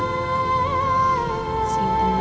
semoga tenang ya ibu indah